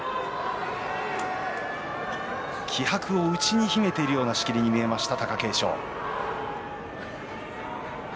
気迫を内に秘めているような仕切りに見えました貴景勝。